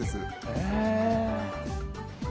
へえ。